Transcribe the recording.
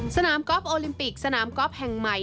สนามกอล์โอลิมปิกสนามกอล์ฟแห่งใหม่